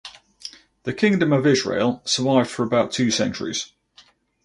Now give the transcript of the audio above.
The Kingdom of Israel survived for about two centuries.